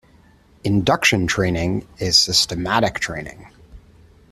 Induction training is systematic training.